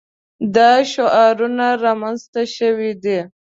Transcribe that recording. دا شعارونه رامنځته شوي دي.